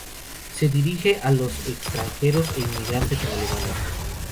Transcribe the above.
Se dirige a los extranjeros e inmigrantes en Alemania.